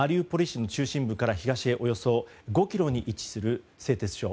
市の中心部から東へおよそ５ｋｍに位置する製鉄所。